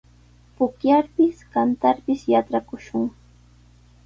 Pukllarpis, kantarpis yatrakushun.